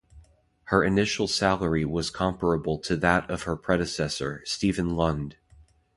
Her initial salary was comparable to that of her predecessor, Stephen Lund.